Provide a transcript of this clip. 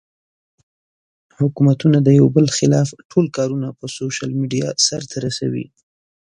حکومتونه د يو بل خلاف ټول کارونه پۀ سوشل ميډيا سر ته رسوي